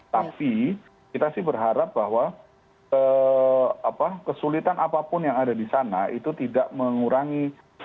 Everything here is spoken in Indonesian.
tapi kita sih berharap bahwa kesulitan apapun yang ada di sana itu tidak mengurangi